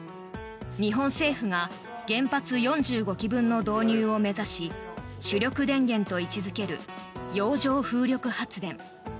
日本政府が原発４５基分の導入を目指し主力電源と位置付ける洋上風力発電。